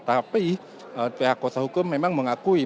tapi pihak kuasa hukum memang mengakui